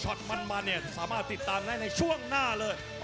มันเนี่ยสามารถติดตามได้ในช่วงหน้าเลย